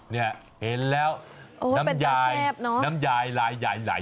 เนี่ยเห็นแล้วน้ำยายน้ำยายลายยายไหล